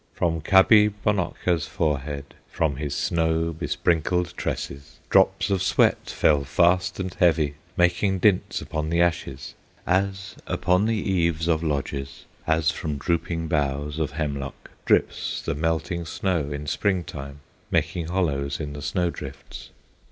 From Kabibonokka's forehead, From his snow besprinkled tresses, Drops of sweat fell fast and heavy, Making dints upon the ashes, As along the eaves of lodges, As from drooping boughs of hemlock, Drips the melting snow in spring time, Making hollows in the snow drifts.